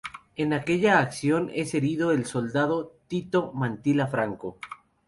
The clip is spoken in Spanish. En aquella acción es herido el soldado Tito Mantilla Franco.